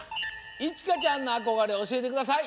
いちかちゃんのあこがれおしえてください。